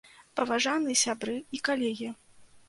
Паважаны сябры і калегі!